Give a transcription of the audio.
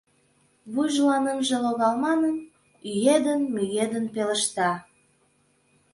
Вуйжылан ынже логал манын, ӱедын-мӱедын пелешта.